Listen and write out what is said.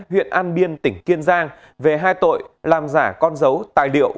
huyện an biên tỉnh kiên giang về hai tội làm giả con dấu tài liệu